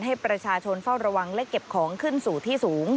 ให้ประชาชนเฝ้าระวังและเก็บของขึ้นสู่ที่สูง